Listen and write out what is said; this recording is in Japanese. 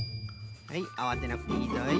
はいあわてなくていいぞい。